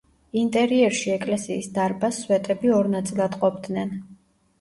ინტერიერში ეკლესიის დარბაზს სვეტები ორ ნაწილად ყოფდნენ.